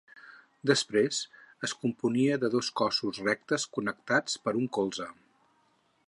Després, es componia de dos cossos rectes connectats per un colze.